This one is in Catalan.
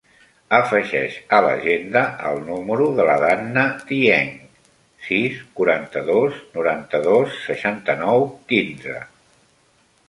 Afegeix a l'agenda el número de la Danna Dieng: sis, quaranta-dos, noranta-dos, seixanta-nou, quinze.